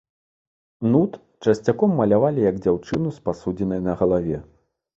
Нут часцяком малявалі як дзяўчыну з пасудзінай на галаве.